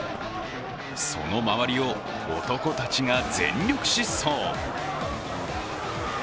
その周りを男たちが全力疾走。